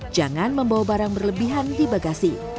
jangan membawa barang berlebihan di bagasi